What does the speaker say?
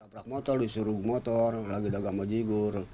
abrak motor disuruh motor lagi dagang majigur